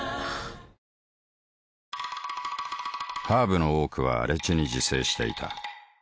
ハーブの多くは荒地に自生していた。